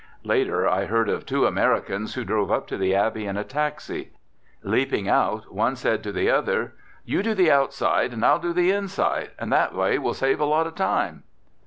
Later I heard of two Americans who drove up to the abbey in a taxi. Leaping out, one said to the other: "You do the outside and I'll do the inside, and that way we'll save a lot of time."